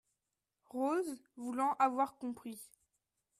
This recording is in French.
Rose , voulant avoir compris.